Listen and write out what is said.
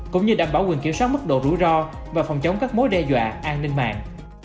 cũng như đảm bảo quyền kiểm soát mức độ rủi ro và phòng chống các mối đe dọa an ninh mạng